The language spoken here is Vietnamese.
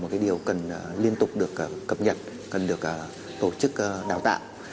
một cái điều cần liên tục được cập nhật cần được tổ chức đào tạo